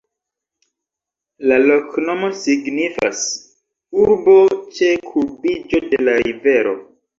La loknomo signifas: urbo ĉe kurbiĝo de la rivero.